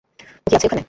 ও কি আছে এখানে?